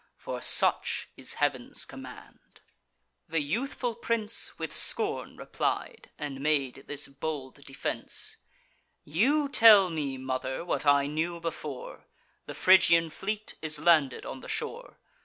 For such is Heav'n's command." The youthful prince With scorn replied, and made this bold defence: "You tell me, mother, what I knew before: The Phrygian fleet is landed on the shore.